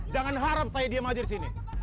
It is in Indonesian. jangan harap saya diam aja di sini